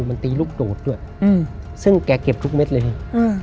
มันตีลูกตูดด้วยซึ่งแกเก็บทุกเม็ดเลย